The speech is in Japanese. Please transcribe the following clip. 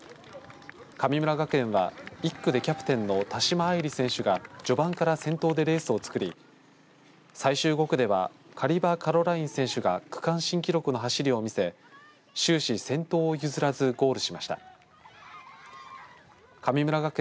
神村学園は１区でキャプテンの田島愛梨選手が序盤から先頭でレースを作り最終５区ではカリバ・カロライン選手が区間新記録の走りを見せ終始先頭を譲らずゴールしました。